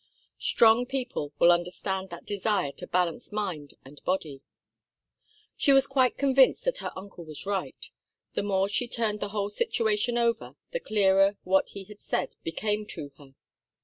Strong people will understand that desire to balance mind and body. She was quite convinced that her uncle was right. The more she turned the whole situation over, the clearer what he had said became to her.